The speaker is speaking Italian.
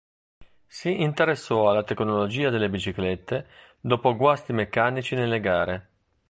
Si interessò alla tecnologia delle biciclette dopo guasti meccanici nelle gare.